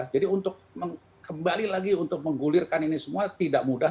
jadi untuk kembali lagi untuk menggulirkan ini semua tidak mudah